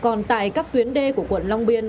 còn tại các tuyến đê của quận long biên